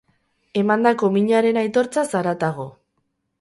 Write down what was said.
Emandako minaren aitortzaz haratago.